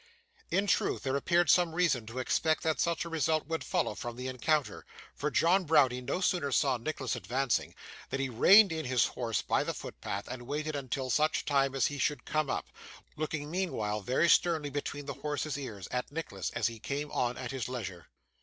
In truth, there appeared some reason to expect that such a result would follow from the encounter, for John Browdie no sooner saw Nicholas advancing, than he reined in his horse by the footpath, and waited until such time as he should come up; looking meanwhile, very sternly between the horse's ears, at Nicholas, as he came on at his leisure.